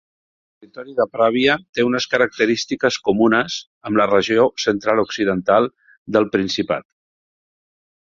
El territori de Pravia té unes característiques comunes amb la regió central-occidental del Principat.